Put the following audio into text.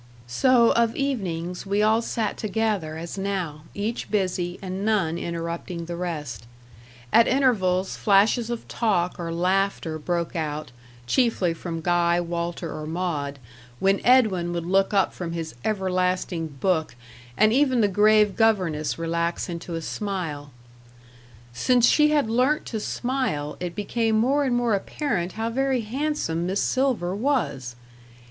So, of evenings, we all sat together as now, each busy, and none interrupting the rest. At intervals, flashes of talk or laughter broke out, chiefly from Guy, Walter, or Maud, when Edwin would look up from his everlasting book, and even the grave governess relax into a smile. Since she had learnt to smile, it became more and more apparent how very handsome Miss Silver was.